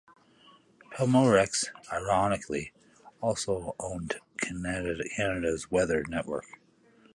Pelmorex, ironically, also owned Canada's Weather Network.